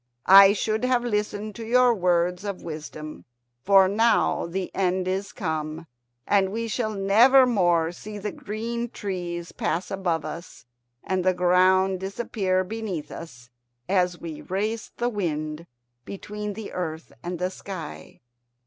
"I should have listened to your words of wisdom, for now the end is come, and we shall never more see the green trees pass above us and the ground disappear beneath us, as we race the wind between the earth and the sky."